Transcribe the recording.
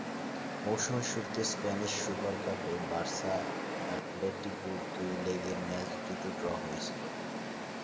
মৌসুমের শুরুতে Spanish super কাপে বার্সা-অ্যাটলেটিকো দুই লেগের ম্যাচ দুটো ড্র হয়েছিল।